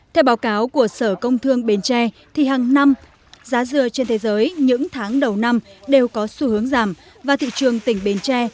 theo báo cáo của sở công thương bến tre thì hàng năm giá dừa trên thế giới những tháng đầu năm đều có xu hướng giảm và thị trường tỉnh bến tre